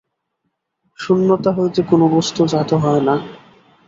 শূন্যতা হইতে কোন বস্তু জাত হয় না।